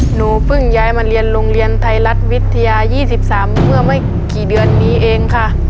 หนูเพิ่งย้ายมาเรียนโรงเรียนไทยรัฐวิทยา๒๓เมื่อไม่กี่เดือนนี้เองค่ะ